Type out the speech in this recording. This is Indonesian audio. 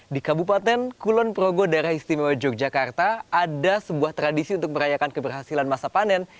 di kabupaten kulon progo daerah istimewa yogyakarta ada sebuah tradisi untuk merayakan keberhasilan masa panen